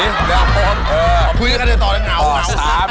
เดี๋ยวเล่นกับพี่เขาหน่อยสิ